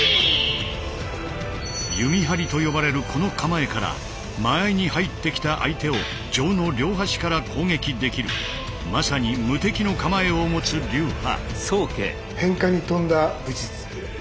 「弓張」と呼ばれるこの構えから間合いに入ってきた相手を杖の両端から攻撃できるまさに無敵の構えを持つ流派。